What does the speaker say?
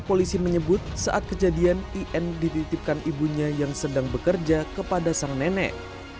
polisi menyebut saat kejadian in dititipkan ibunya yang sedang bekerja kepada sang nenek